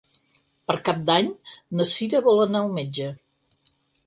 Per Cap d'Any na Sira vol anar al metge.